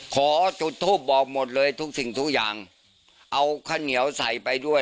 ขอจุดทูปบอกหมดเลยทุกสิ่งทุกอย่างเอาข้าวเหนียวใส่ไปด้วย